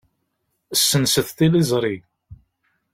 Ssenset tiliẓri.